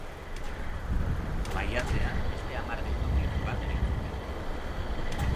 Maiatzean beste hamar geltokik bat egin zuten.